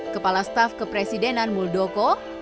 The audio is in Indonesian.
kepala staff kepresidenan muldoko